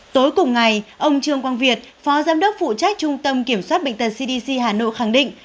tối cùng ngày ông trương quang việt phó giám đốc phụ trách trung tâm kiểm soát bệnh tật cdc hà nội khẳng định